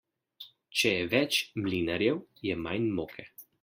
Če je več mlinarjev, je manj moke.